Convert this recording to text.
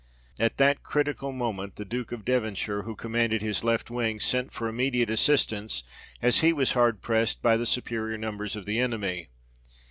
At that critical moment the Duke of Devonshire, who com manded his left wing, sent for immediate assistance, as he was hard pressed by the superior numbers of the enemy.